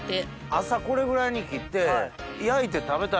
朝これぐらいに切って。